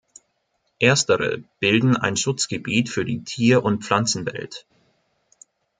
Erstere bilden ein Schutzgebiet für die Tier- und Pflanzenwelt.